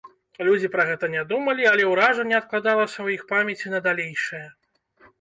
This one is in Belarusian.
Людзі пра гэта не думалі, але ўражанне адкладалася ў іх памяці на далейшае.